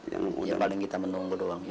ya paling kita menunggu doang